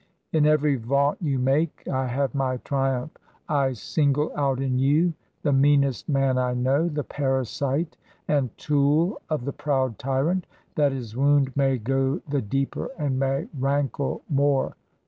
... In every vaunt you make, I have my triumph. I single out in you the meanest man I know, the parasite and tool of the proud tyrant, that his wound may go the deeper and may rankle more.